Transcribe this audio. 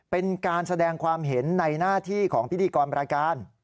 เป็นการแสดงความเห็นในหน้าที่ของพิธีกรรายการ